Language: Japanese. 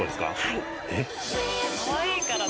はい。